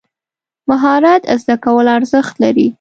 مهارت زده کول ارزښت لري.